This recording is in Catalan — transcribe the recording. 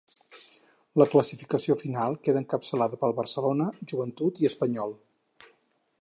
La classificació final queda encapçalada pel Barcelona, Joventut i Espanyol.